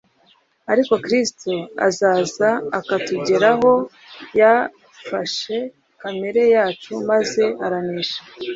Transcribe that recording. Ariko Kristo araza akatugeraho. Yafasle kamere yacu maze aranesha